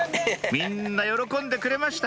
みんな喜んでくれました